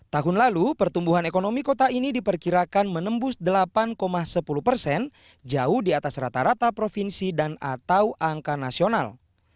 tahun lalu pertumbuhan ekonomi kota ini diperkirakan menembus delapan sepuluh persen jauh di atas rata rata provinsi dan atau angka nasional